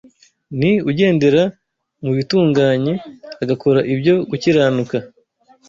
Ni ugendera mu bitunganye, agakora ibyo gukiranuka